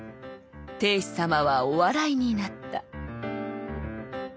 定子様はお笑いになった」。